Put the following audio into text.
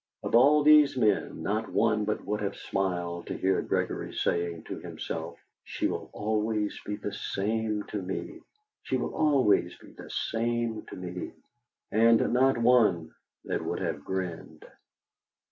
Of all these men, not one but would have smiled to hear Gregory saying to himself: "She will always be the same to me! She will always be the same to me!" And not one that would have grinned....